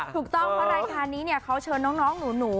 ถูกต้องว่านี้เนี่ยเขาเชิดน้องหนู